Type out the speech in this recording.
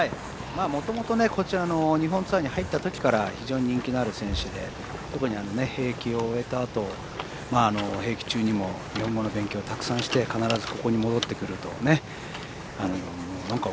もともとこちらの日本ツアーに入った時から非常に人気のある選手で特に兵役を終えたあと兵役中にも日本語の勉強たくさんして、必ずここに戻ってくると。